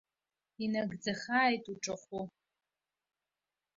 Инагӡахааит уҿахәы!